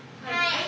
はい。